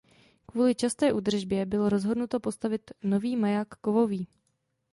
Kvůli časté údržbě bylo rozhodnuto postavit nový maják kovový.